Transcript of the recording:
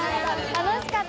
楽しかった。